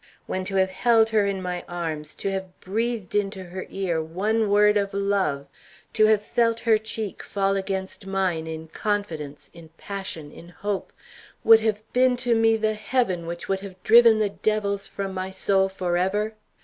When to have held her in my arms, to have breathed into her ear one word of love, to have felt her cheek fall against mine in confidence, in passion, in hope, would have been to me the heaven which would have driven the devils from my soul forever?